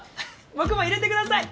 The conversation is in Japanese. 僕も入れてください！